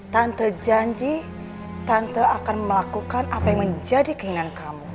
tante janji tante akan melakukan apa yang menjadi keinginan kamu